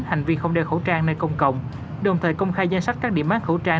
hành vi không đeo khẩu trang nơi công cộng đồng thời công khai danh sách các điểm mang khẩu trang